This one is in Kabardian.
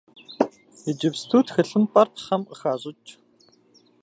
Иджыпсту тхылъымпӏэр пхъэм къыхащӏыкӏ.